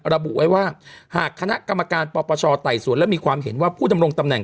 ระบุไว้ว่าหากคณะกรรมการปปชไต่สวนและมีความเห็นว่าผู้ดำรงตำแหน